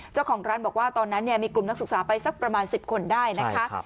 เจ้าของร้านบอกว่าตอนนั้นมีกลุ่มนักศึกษาไปสักประมาณ๑๐คนได้นะคะ